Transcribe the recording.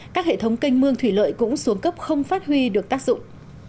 các hệ thống canh mương thủy lợi cũng xuống cấp không phát huy được tác dụng